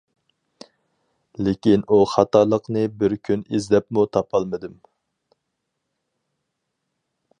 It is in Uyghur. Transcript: لېكىن ئۇ خاتالىقنى بىر كۈن ئىزدەپمۇ تاپالمىدىم.